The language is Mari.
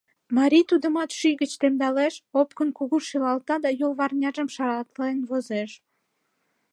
Марий тудымат шӱй гыч темдалеш, опкын кугун шӱлалта да йолварняжым шаралтен возеш.